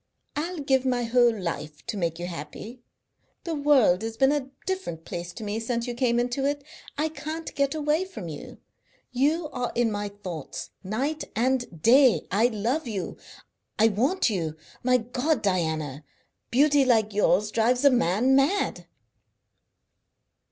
I'll give my whole life to make you happy. The world has been a different place to me since you came into it. I can't get away from you. You are in my thoughts night and day. I love you; I want you. My God, Diana! Beauty like yours drives a man mad!"